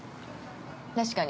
◆確かに。